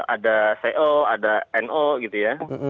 ada co ada no gitu ya